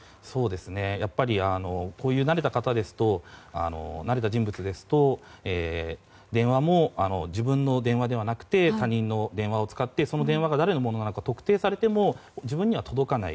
やっぱりこういう慣れた人物ですと電話も自分の電話ではなくて他人の電話を使ってその電話が誰のものなのか特定されても自分は届かない。